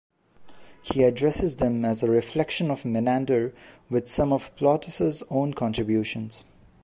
He addresses them as a reflection of Menander with some of Plautus' own contributions.